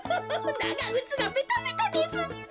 ながぐつがベタベタですって。